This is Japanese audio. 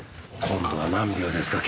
今度は何秒ですか？